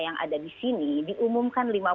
kami sudah melakukan pengumuman di rumah